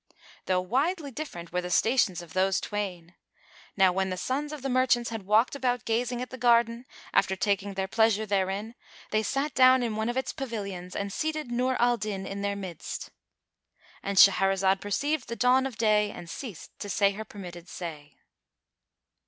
Though widely different were the stations of those twain! Now when the sons of the merchants had walked about gazing at the garden after taking their pleasure therein, they say down in one of its pavilions and seated Nur al Din in their midst.—And Shahrazad perceived the dawn of day and ceased to say her permitted say.